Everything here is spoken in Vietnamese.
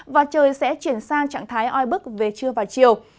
và trời sẽ chuyển sang trạng thái oi bức về trưa và chiều